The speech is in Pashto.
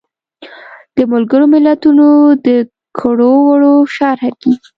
د ملګرو ملتونو د کړو وړو شرحه کیږي.